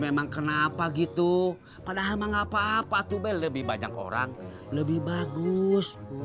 emang kenapa gitu padahal mengapa apa tuh bel lebih banyak orang lebih bagus